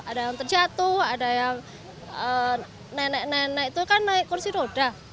ada yang terjatuh ada yang nenek nenek itu kan naik kursi roda